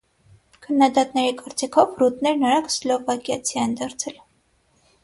Քննադատների կարծիքով՝ ռուտներն արագ սլովակիացի են դարձել։